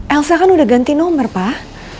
elsa kan udah ganti nomor pak